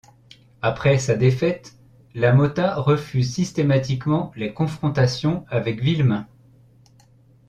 Après sa défaite, LaMotta refuse systématiquement les confrontations avec Villemain.